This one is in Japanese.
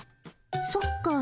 そっか。